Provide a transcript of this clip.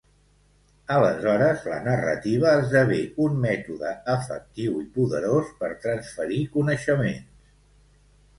Aleshores, la narrativa esdevé un mètode efectiu i poderós per transferir coneixements.